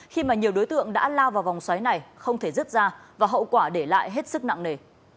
khi mà nhiều đối tượng đã lao vào vòng xoáy này không thể dứt ra và hậu quả để lại hết sức nặng nề